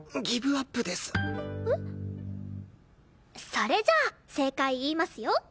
それじゃあ正解言いますよ。